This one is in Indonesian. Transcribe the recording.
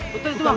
betul itu bang